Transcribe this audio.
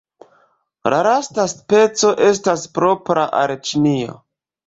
La lasta speco estas propra al Ĉinio.